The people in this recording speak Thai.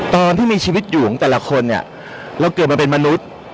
ตอนที่มีชีวิตอยู่ของแต่ละคนเนี่ยเราเกิดมาเป็นมนุษย์